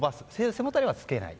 背もたれはつけない。